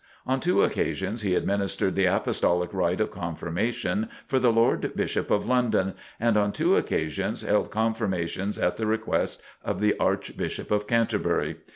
On two occasions he administered the Apostolic rite of Confirmation for the Lord Bishop of London and on two occasions held confirmations at the request of the Archbishop of Canterbury.